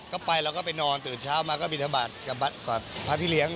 ก็ไปแล้วก็ไปนอนตื่นเช้ามาก็บินทบาทกับพระพี่เลี้ยง